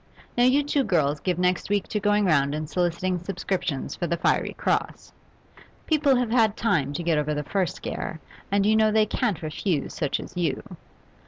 Now you two girls give next week to going round and soliciting subscriptions for the "Fiery Cross." People have had time to get over the first scare, and you know they can't refuse such as you.